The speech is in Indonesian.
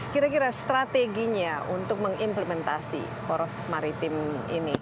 kira kira strateginya untuk mengimplementasikan ini